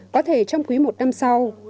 có thể trong quý một năm sau